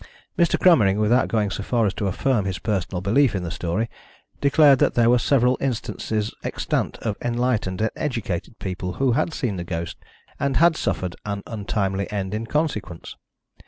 Mr. Cromering, without going so far as to affirm his personal belief in the story, declared that there were several instances extant of enlightened and educated people who had seen the ghost, and had suffered an untimely end in consequence.